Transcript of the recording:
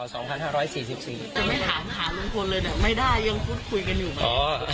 ไม่ถามหาลุงพลเลยแต่ไม่ได้ยังพูดคุยกันอยู่ไหม